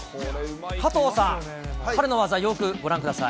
加藤さん、彼の技、よくご覧ください。